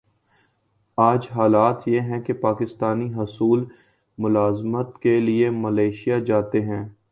آج حالت یہ ہے کہ پاکستانی حصول ملازمت کیلئے ملائشیا جاتے ہیں۔